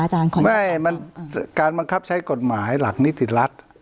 อาจารย์ไม่มันการบังคับใช้กฎหมายหลักนิติรัตน์